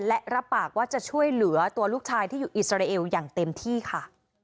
และรับปากว่าจะช่วยเหลือตัวลูกชายที่อยู่อิสราเอลอย่างเต็มที่ค่ะ